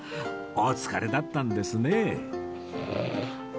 お疲れだったんですね